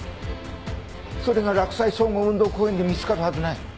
それが洛西総合運動公園で見つかるはずない。